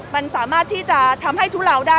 มันสามารถที่จะทำให้ทุเลาได้